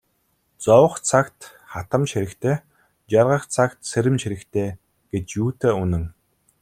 Зовох цагт хатамж хэрэгтэй, жаргах цагт сэрэмж хэрэгтэй гэж юутай үнэн.